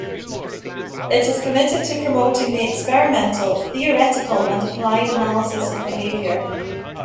It is committed to promoting the experimental, theoretical, and applied analysis of behavior.